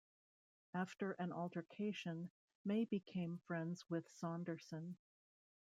After an altercation, May became friends with Saunderson.